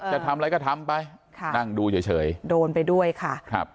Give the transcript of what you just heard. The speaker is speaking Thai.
จะทำอะไรก็ทำไปค่ะนั่งดูเฉยโดนไปด้วยค่ะครับ